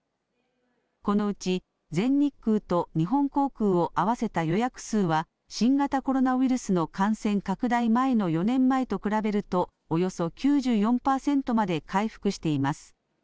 このうち全日空と日本航空を合わせた予約数は新型コロナウイルスの感染拡大前の４年前と比べるとおよそ９４パーセントまで回復しています。